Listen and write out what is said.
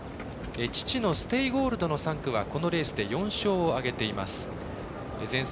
父のステイゴールドの産駒はこのレースで４勝を挙げています。